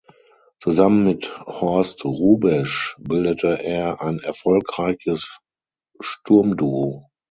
Zusammen mit Horst Hrubesch bildete er ein erfolgreiches Sturmduo.